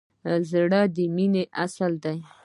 زړه د مینې اصل دی.